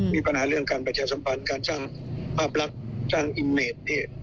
มีปัญหาเรื่องการประชาสัมพันธ์การสร้างภาพลักษณ์สร้างอินเนตเพจ